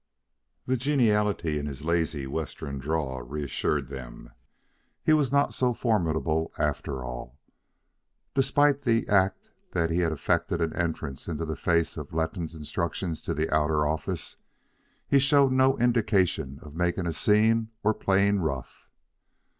The geniality in his lazy Western drawl reassured them. He was not so formidable, after all. Despite the act that he had effected an entrance in the face of Letton's instructions to the outer office, he showed no indication of making a scene or playing rough.